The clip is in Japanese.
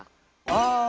あ！